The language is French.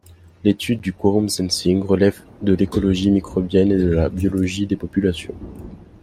L'étude du quorum sensing relève de l'écologie microbienne et de la biologie des populations.